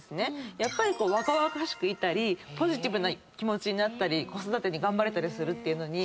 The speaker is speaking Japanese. やっぱり若々しくいたりポジティブな気持ちになったり子育てに頑張れたりするのに。